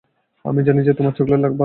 আমি জানি যে তোমার চকোলেট ভালো লাগে।